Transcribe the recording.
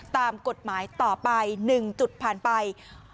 ตามกฎหมายต่อไป๑จุดผ่านไป